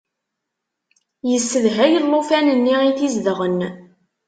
Yessedhay llufan-nni i t-izedɣen.